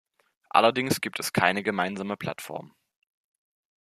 Allerdings gibt es keine gemeinsame Plattform.